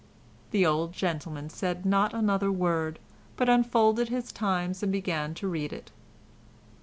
The old gentleman said not another word, but unfolded his Times and began to read it.